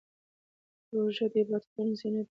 روژه د عبادتونو زینت دی.